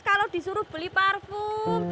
kalau disuruh beli parfum